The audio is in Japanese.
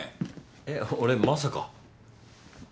えっ俺まさか。